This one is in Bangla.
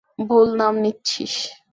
ভুল নাম নিচ্ছিস।